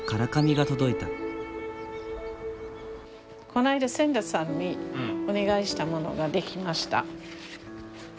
こないだ千田さんにお願いしたものが出来ました。